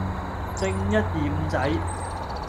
正一二五仔